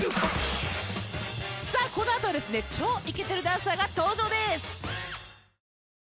さあこの後はですね超イケてるダンサーが登場です。